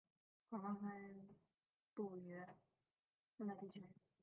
广泛布于热带地区。